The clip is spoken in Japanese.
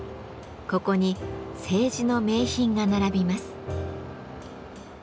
ここに青磁の名品が並びます。